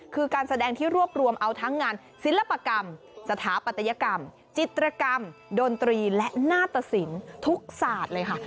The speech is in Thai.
คือการแสดงที่รวบรวมเอาทั้งงานศิลปกรรมสถาปัตยกรรมจิตรกรรมดนตรีและหน้าตสินทุกศาสตร์เลยค่ะ